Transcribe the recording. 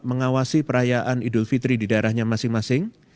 mengawasi perayaan idul fitri di daerahnya masing masing